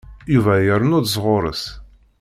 Yuba irennu-d sɣur-s.